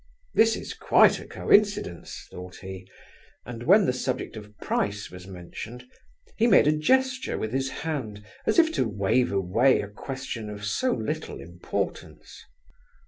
"This is quite a coincidence," thought he, and when the subject of price was mentioned, he made a gesture with his hand, as if to waive away a question of so little importance.